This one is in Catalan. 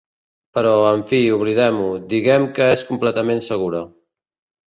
Però, en fi, oblidem-ho, diguem que és completament segura.